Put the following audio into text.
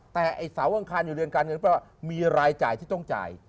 แต่ไอ้เสาอังคารอยู่เรือนการเงินก็แปลว่ามีรายจ่ายที่ต้องจ่าย